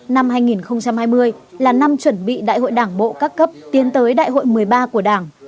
năm hai nghìn hai mươi là năm chuẩn bị đại hội đảng bộ các cấp tiến tới đại hội một mươi ba của đảng